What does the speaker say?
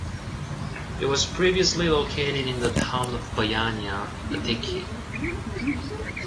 It was previously located in the town of Paiania, Attiki.